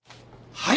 はい！